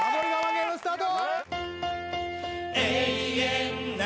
ゲームスタート